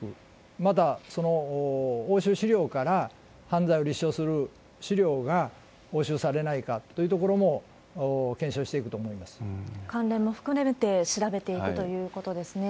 また、その押収資料から犯罪を立証する資料が押収されないかというとこ関連も含めて調べていくということですね。